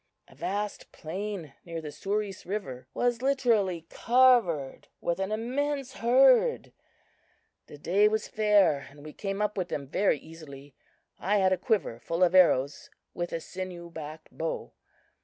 "A vast plain near the Souris river was literally covered with an immense herd. The day was fair, and we came up with them very easily. I had a quiver full of arrows, with a sinew backed bow.